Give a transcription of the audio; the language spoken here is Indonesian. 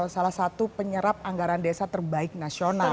kita pun salah satu penyerap anggaran desa terbaik nasional